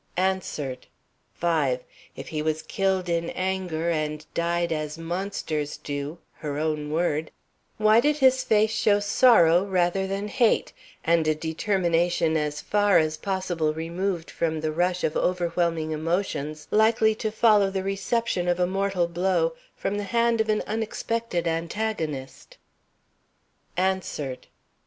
[Sidenote: Answered] 5. If he was killed in anger and died as monsters do (her own word), why did his face show sorrow rather than hate, and a determination as far as possible removed from the rush of over whelming emotions likely to follow the reception of a mortal blow from the hand of an unexpected antagonist? [Sidenote: Answered] 6.